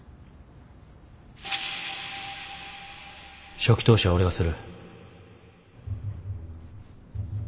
初期投資は俺がする。